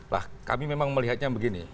lah kami memang melihatnya begini